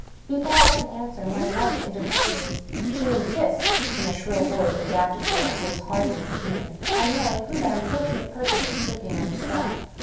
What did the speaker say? Before I can answer, my wife interposes. She insists (in a shrill voice, adapted to our host's hardness of hearing) on knowing who that unfortunate person is sleeping on the straw.